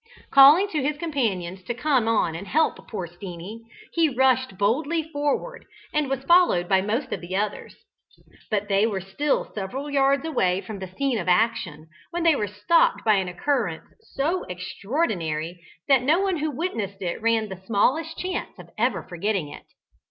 Calling to his companions to come on and help poor Steenie, he rushed boldly forward, and was followed by most of the others. But they were still several yards away from the scene of action, when they were stopped by an occurrence so extraordinary that no one who witnessed it ran the smallest chance of ever forgetting it.